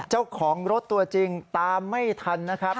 เจ้าของรถตัวจริงตามไม่ทันนะครับ